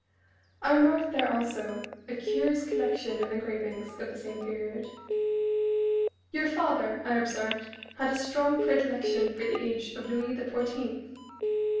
I remarked there also a curious collection of engravings of the same period. "Your father," I observed, "had a strong predilection for the age of Louis the Fourteenth."